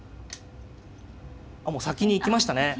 もう先に行きましたね。